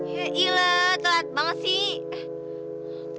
ya iya lah telat banget sih